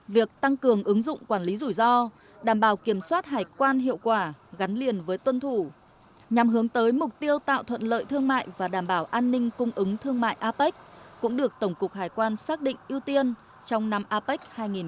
việc tăng cường ứng dụng quản lý rủi ro đảm bảo kiểm soát hải quan hiệu quả gắn liền với tuân thủ nhằm hướng tới mục tiêu tạo thuận lợi thương mại và đảm bảo an ninh cung ứng thương mại apec cũng được tổng cục hải quan xác định ưu tiên trong năm apec hai nghìn hai mươi